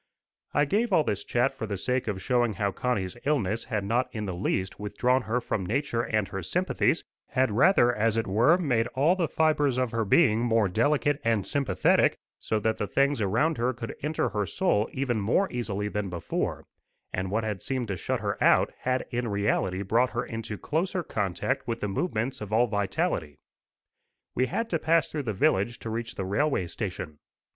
I give all this chat for the sake of showing how Connie's illness had not in the least withdrawn her from nature and her sympathies had rather, as it were, made all the fibres of her being more delicate and sympathetic, so that the things around her could enter her soul even more easily than before, and what had seemed to shut her out had in reality brought her into closer contact with the movements of all vitality. We had to pass through the village to reach the railway station.